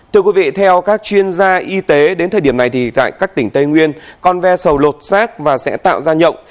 thưa quý vị theo các chuyên gia y tế đến thời điểm này thì tại các tỉnh tây nguyên còn ve sầu lột xác và sẽ tạo ra nhộng